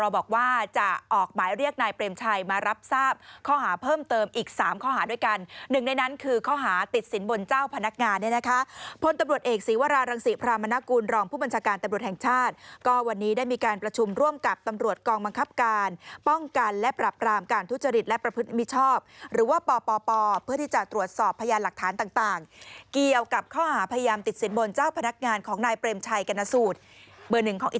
เบอร์หนึ่งของอิตาเลียนไทยนะครับ